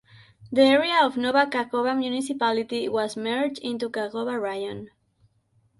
The area of Nova Kakhovka Municipality was merged into Kakhovka Raion.